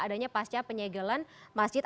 adanya pasca penyegelan masjid